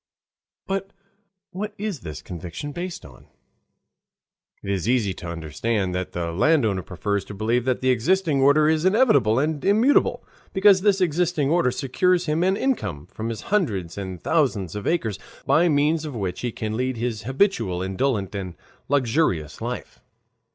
But what is this conviction based on? It is easy to understand that the landowner prefers to believe that the existing order is inevitable and immutable, because this existing order secures him an income from his hundreds and thousands of acres, by means of which he can lead his habitual indolent and luxurious life.